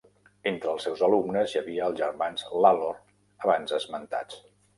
Entre els seus alumnes hi havia els germans Lalor abans esmentats.